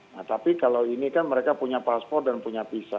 nah tapi kalau ini kan mereka punya paspor dan punya visa